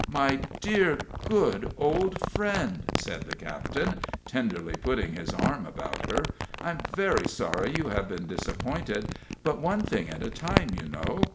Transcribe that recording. "My dear, good old friend," said the captain, tenderly putting his arm about her, "I'm very sorry you have been disappointed; but one thing at a time, you know.